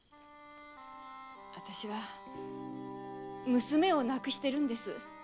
私は娘を亡くしてるんです。